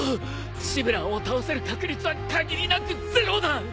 シブラーを倒せる確率は限りなくゼロだ！